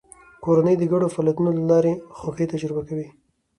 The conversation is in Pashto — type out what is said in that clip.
کورنۍ د ګډو فعالیتونو له لارې خوښي تجربه کوي